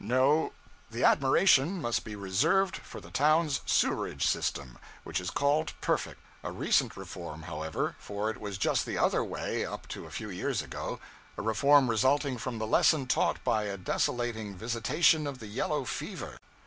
No, the admiration must be reserved for the town's sewerage system, which is called perfect; a recent reform, however, for it was just the other way, up to a few years ago a reform resulting from the lesson taught by a desolating visitation of the yellow fever.